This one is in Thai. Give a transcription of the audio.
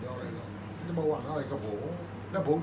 อันไหนที่มันไม่จริงแล้วอาจารย์อยากพูด